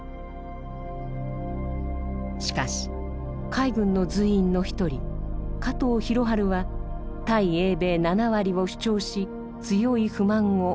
しかし海軍の随員の一人加藤寛治は対英米７割を主張し強い不満を抱いていました。